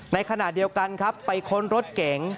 ในขณะเดียวกันครับไปค้นรถเก๋ง